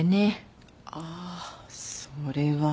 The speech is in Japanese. ああそれは。